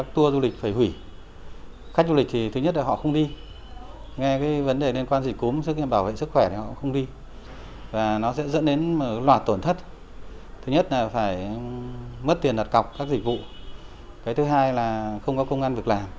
thứ hai là không có công an vực làm